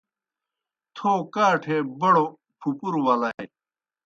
تھو کاٹھے بڑوْ پُھپُروْ ولائے۔